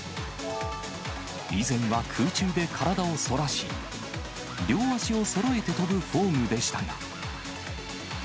以前は、空中で体を反らし、両足をそろえて跳ぶフォームでしたが。